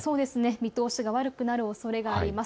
見通しが悪くなるおそれがあります。